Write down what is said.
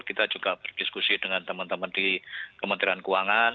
kita juga berdiskusi dengan teman teman di kementerian keuangan